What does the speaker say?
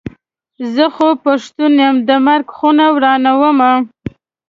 زه خو پښتون یم د مرک خونه ورانومه.